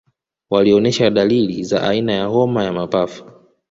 Walioonesha dalili za aina ya homa ya mapafu